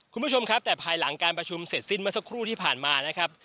คุณผู้ชมครับแต่ภายหลังการประชุมเสร็จสิ้นเมื่อสักครู่ที่ผ่านมานะครับ